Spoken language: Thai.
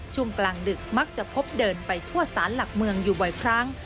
ช่วงกลางดึกมักจะพบเดินไปทั่วสารหลักเมืองอยู่บ่อยครั้ง